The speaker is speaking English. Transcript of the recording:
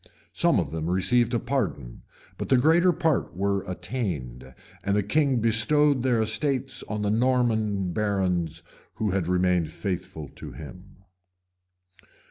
Some of them received a pardon; but the greater part were attainted; and the king bestowed their estates on the Norman barons who had remained faithful to him.